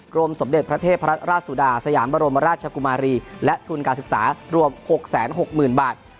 รมสมเด็จพระเทพรัตนราชสุดาสยามบรมราชกุมารีและทุนการศึกษารวม๖๖๐๐๐บาท